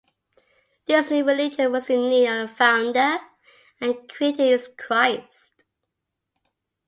This new religion was in need of a founder, and created its Christ.